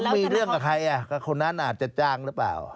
มีเรื่องกับใครกับคนนั้นอาจจะจ้างหรือเปล่า